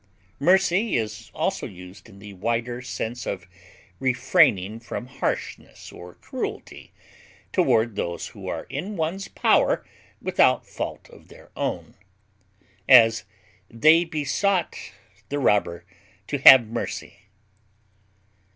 Mercy is also used in the wider sense of refraining from harshness or cruelty toward those who are in one's power without fault of their own; as, they besought the robber to have mercy.